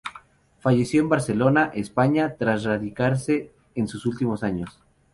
Falleció en Barcelona, España tras radicarse en sus últimos años.